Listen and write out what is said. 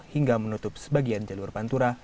hingga menutup sebagian jalur pantura